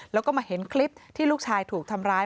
แล้วก็มาเห็นคลิปที่ลูกชายถูกทำร้าย